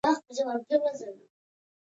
په داخلي غوږ کې درې نیم دایروي سوري شته.